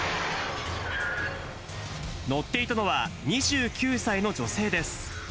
乗っていたのは２９歳の女性です。